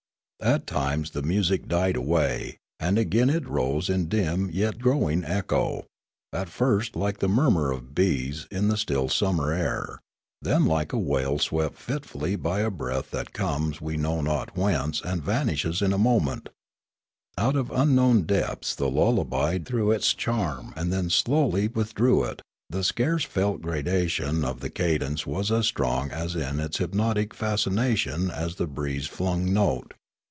At times the music died away, and again it rose in dim yet growing echo, at first like the murmur of bees in the still summer air, then like a wail swept fitfully by a breath that comes we know not whence and vanishes in a moment ; out of unknown depths the lullaby threw its charm and then slowly withdrew it; the scarce felt gradation of the cadence was as strong in its hypnotic fascination as the breeze flung note.